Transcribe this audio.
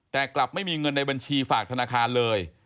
แต่กลับไม่มีเงินในบัญชีฝากธนาคารเลย